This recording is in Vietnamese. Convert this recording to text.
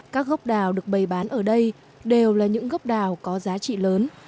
các gốc đào được bày bán ở đây đều là những gốc đào có giá trị lớn